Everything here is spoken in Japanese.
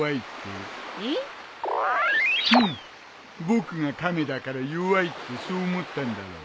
僕がカメだから弱いってそう思ったんだろ。